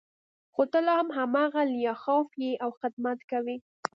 خو ته لا هم هماغه لیاخوف یې او خدمت کوې